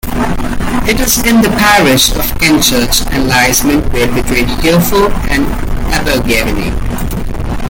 It is in the parish of Kentchurch and lies midway between Hereford and Abergavenny.